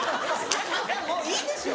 もういいでしょ。